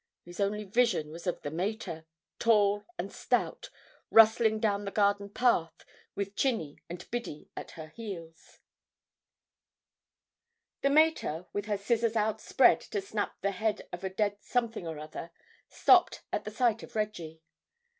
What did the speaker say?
his only vision was of the mater, tall and stout, rustling down the garden path, with Chinny and Biddy at her heels.... The mater, with her scissors outspread to snap the head of a dead something or other, stopped at the sight of Reggie.